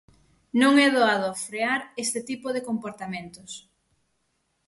Non é doado frear este tipo de comportamentos.